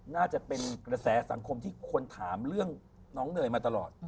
น่าจะเป็นกระแสสังคมที่คนถามเรื่องน้องเนยมาตลอด